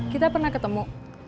kita pernah ketemu